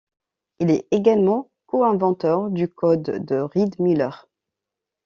Il est également co-inventeur du code de Reed-Muller.